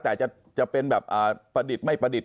แต่จะเป็นแบบประดิษฐ์ไม่ประดิษฐ